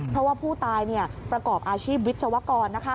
เพราะว่าผู้ตายประกอบอาชีพวิศวกร